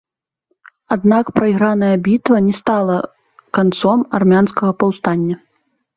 Аднак, прайграная бітва не стала канцом армянскага паўстання.